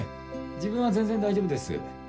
自分は全然大丈夫です。